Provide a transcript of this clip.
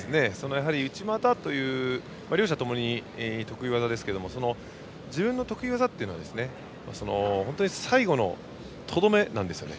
内股というのは両者ともに得意技ですがその自分の得意技というのは最後のとどめなんですよね。